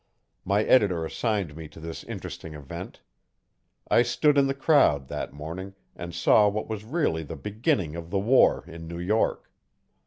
My editor assigned me to this interesting event. I stood in the crowd, that morning, and saw what was really the beginning of the war in New York.